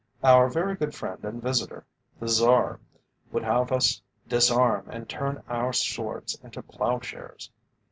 Our very good friend and visitor, the Czar, would have us disarm and turn our swords into ploughshares.